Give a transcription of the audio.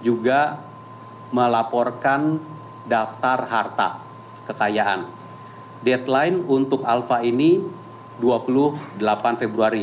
jadi lhkpn dan alpha kementerian keuangan itu deadline nya sama yaitu dua puluh delapan februari